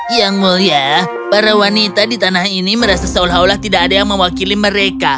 yang mulia para wanita di tanah ini merasa seolah olah tidak ada yang mewakili mereka